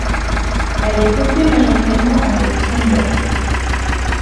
Elle est peuplée majoritairement par des tsongas.